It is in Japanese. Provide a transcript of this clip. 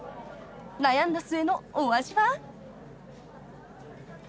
［悩んだ末のお味は？］